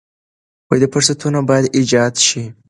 فرصتونه باید ایجاد شي.